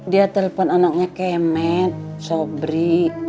dia telepon anaknya kemet sobri